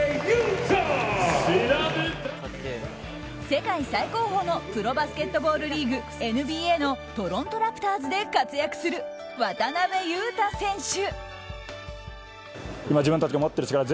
世界最高峰のプロバスケットボールリーグＮＢＡのトロント・ラプターズで活躍する、渡邊雄太選手。